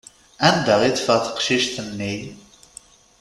Anda i teffeɣ teqcict-nni?